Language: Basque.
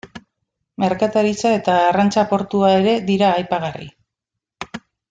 Merkataritza eta arrantza-portua ere dira aipagarri.